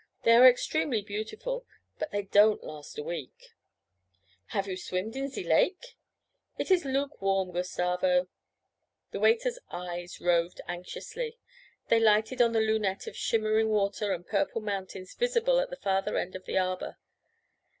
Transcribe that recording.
They are extremely beautiful, but they don't last a week.' 'Have you swimmed in ze lake?' 'It is lukewarm, Gustavo.' The waiter's eyes roved anxiously. They lighted on the lunette of shimmering water and purple mountains visible at the farther end of the arbour.